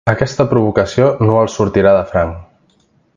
Aquesta provocació no els sortirà de franc.